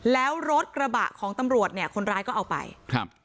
แล้วรถกระบะของตำรวจเนี่ยคนร้ายก็เอาไปครับ